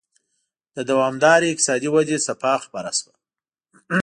د دوامدارې اقتصادي ودې څپه خپره شوه.